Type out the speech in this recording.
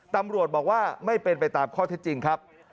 ตำรวจบอกว่าไม่เป็นไปตามข้อเท็จจริงครับ